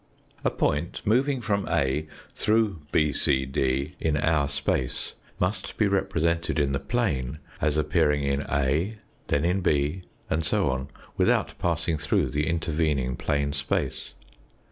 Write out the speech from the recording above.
A point moving from A through BCD in our space must be represented in the plane as appearing in A, then in B, and so on, without passing through the intervening plane space.